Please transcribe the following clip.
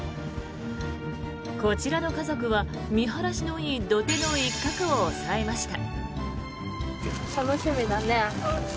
こちらの家族は見晴らしのいい土手の一角を押さえました。